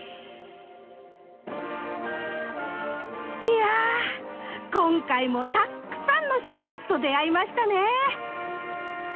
いや今回もたくさんの植物と出会いましたね。